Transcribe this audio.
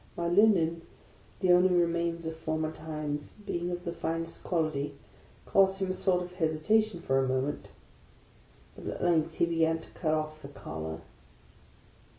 My linen, — the only re mains of former times, — being of the finest quality, caused him a sort of hesitation for a moment; but at length he began to cut off the collar.